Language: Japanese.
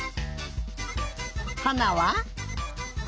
はなは？